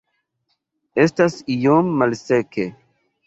Estas iom malseke